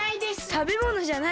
たべものじゃないよ。